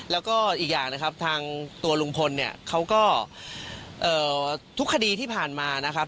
แล้วก็อีกอย่างนะครับทางตัวลุงพลเนี่ยเขาก็ทุกคดีที่ผ่านมานะครับ